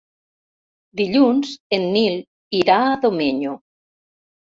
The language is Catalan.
Dilluns en Nil irà a Domenyo.